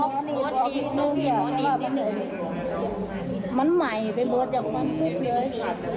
ขาดแบบนี้มันใหม่มั้ยมันมีแบบนี้เลย